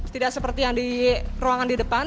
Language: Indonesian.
tidak seperti yang di ruangan di depan